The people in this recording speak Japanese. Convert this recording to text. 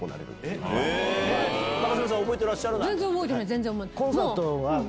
高嶋さん覚えてらっしゃらない？